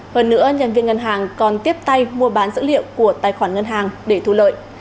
hơn nữa nhân viên ngân hàng còn tiếp tay mua bán dữ liệu của tài khoản ngân hàng để thu lợi